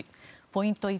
ポイント